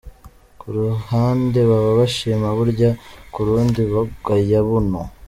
Ku ruhande baba bashima Burya, ku rundi bagaya Buno.